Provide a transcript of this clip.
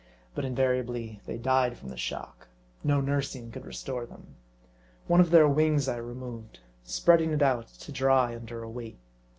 But invariably they died from the shock. No nursing could restore them. One of their wings I removed, spreading it out to dry under a weight.